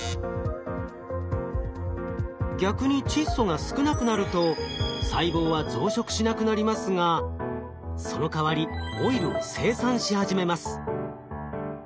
逆に窒素が少なくなると細胞は増殖しなくなりますがそのかわりオイルを生産し始めます。